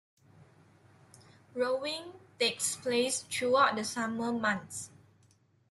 Rowing takes place throughout the summer months.